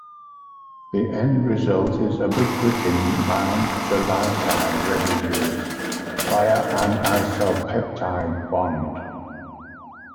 The end result is ubiquitin bound to lysine residues via an isopeptide bond.